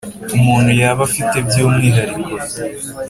Umuntu yaba afite by umwihariko